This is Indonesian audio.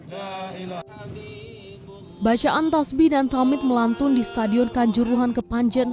hai allah ya ilah al tabib bacaan tasbih dan taumid melantun di stadion kanjuruhan kepanjen